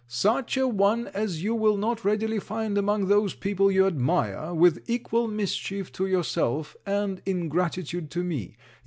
Such a one as you will not readily find among those people you admire, with equal mischief to yourself, and ingratitude to me.